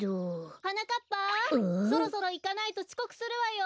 ・はなかっぱそろそろいかないとちこくするわよ。